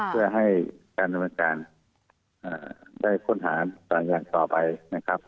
เพื่อให้การดำเนินการได้ค้นหาอย่างต่อไปนะครับ